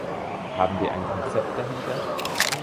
Haben wir ein Konzept dahinter?